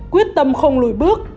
quyết tâm không lùi bước